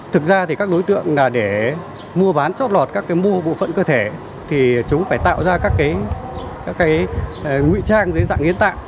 thực ra các đối tượng để mua bán trót lọt các mô bộ phận cơ thể thì chúng phải tạo ra các ngụy trang dưới dạng hiến tạng